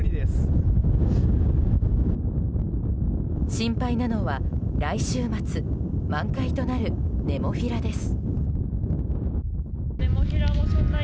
心配なのは来週末満開となるネモフィラです。